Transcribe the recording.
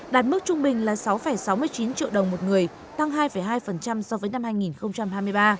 đạt mức trung bình là sáu sáu mươi chín triệu đồng một người tăng hai hai so với năm hai nghìn hai mươi ba